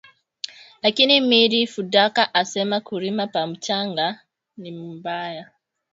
Lakini miri fundaka asema kurima pa muchanga ni mubaya